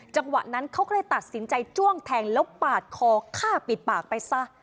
จังหวะนั้นเขาก็เลยตัดสินใจจ้วงแทงแล้วปาดคอฆ่าปิดปากไปซะ